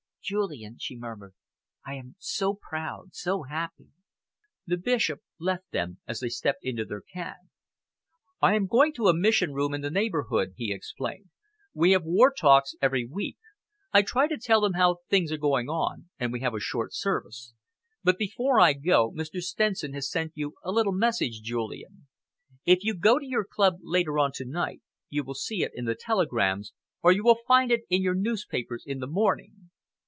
"Julian," she murmured, "I am so proud so happy." The Bishop left them as they stepped into their cab. "I am going to a mission room in the neighbourhood," he explained. "We have war talks every week. I try to tell them how things are going on, and we have a short service. But before I go, Mr. Stenson has sent you a little message, Julian. If you go to your club later on to night, you will see it in the telegrams, or you will find it in your newspapers in the morning.